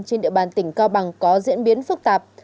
trên địa bàn tỉnh cao bằng có diễn biến phức tạp